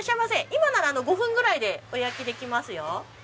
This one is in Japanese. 今なら５分ぐらいでお焼きできますよ。